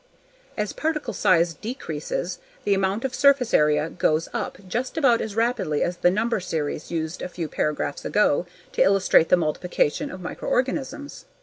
As particle size decreases, the amount of surface area goes up just about as rapidly as the number series used a few paragraphs back to illustrate the multiplication of microorganisms.